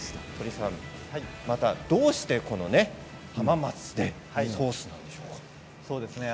どうして、この浜松でソースなんですか？